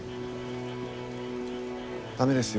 駄目ですよ